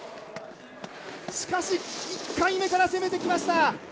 しかし、１回目から攻めてきました。